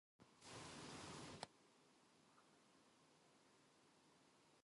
Halep started season playing at Sydney International as the top seed.